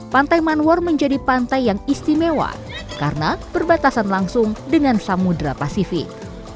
pantai manwar menjadi pantai yang istimewa karena berbatasan langsung dengan samudera pasifik